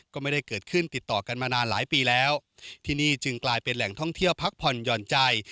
ก็ไม่ได้เกิดขึ้นติดต่อกันมานานหลายปีแล้วที่นี่จึงกลายเป็นแหล่งท่องเที่ยวพักผ่อนหย่อนใจ